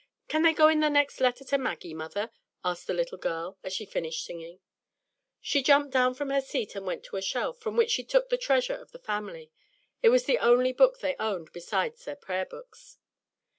Can they go in the next letter to Maggie, mother?" asked the little girl, as she finished singing. She jumped down from her seat and went to a shelf, from which she took the treasure of the family. It was the only book they owned besides their prayer books.